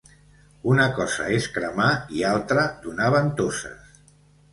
Una cosa és cremar i altra donar ventoses.